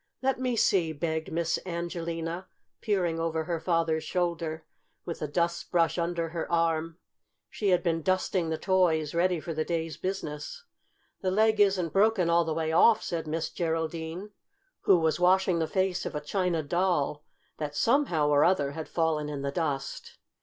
"Let me see," begged Miss Angelina, peering over her father's shoulder, with a dustbrush under her arm. She had been dusting the toys ready for the day's business. "The leg isn't broken all the way off," said Miss Geraldine, who was washing the face of a China Doll, that, somehow or other, had fallen in the dust.